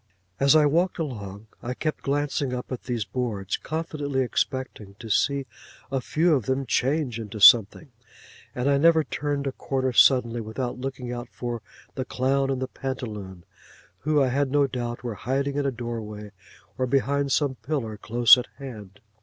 As I walked along, I kept glancing up at these boards, confidently expecting to see a few of them change into something; and I never turned a corner suddenly without looking out for the clown and pantaloon, who, I had no doubt, were hiding in a doorway or behind some pillar close at hand.